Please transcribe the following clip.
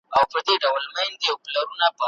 هغه څوک چي پاکوالی کوي منظم وي.